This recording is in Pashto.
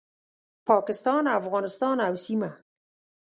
پاکستان، افغانستان او سیمه